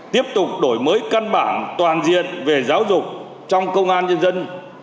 tiếp tục đổi mới căn bản toàn diện về giáo dục trong công an nhân dân